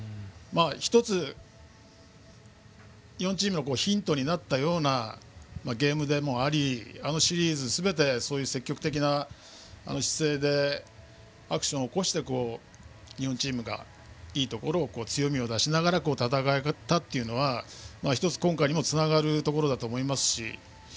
１つ、日本チームのヒントになったようなゲームでもありあのシリーズ、すべてそういう積極的な姿勢でアクションを起こして日本チームがいいところを強みを出しながら戦えたというのは１つ、今回にもつながるところだと思いますし。